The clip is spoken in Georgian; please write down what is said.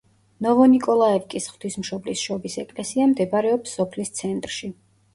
ნოვონიკოლაევკის ღვთისმშობლის შობის ეკლესია მდებარეობს სოფლის ცენტრში.